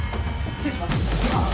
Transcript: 失礼します。